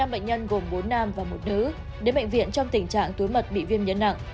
năm bệnh nhân gồm bốn nam và một nữ đến bệnh viện trong tình trạng túi mật bị viêm nhấn nặng